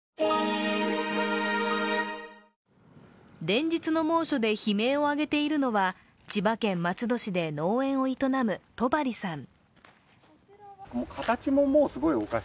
連日の猛暑で悲鳴を上げているのは、千葉県松戸市で農園を営む戸張さん。